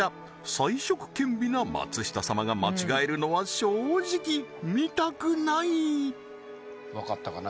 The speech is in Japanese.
才色兼備な松下様が間違えるのは正直見たくないわかったかな？